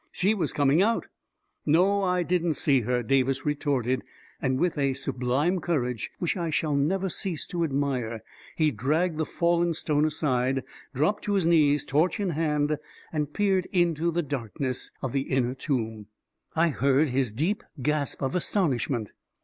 " She was coming out ..•" 44 No, I didn't see her !" Davis retorted, and with a sublime courage which I shall never cease to ad mire, he dragged the fallen stone aside, dropped to his knees, torch in hand, and peered into the dark ness of the inner tomb. A KING IN BABYLON 345 I heard his deep gasp of astonishment.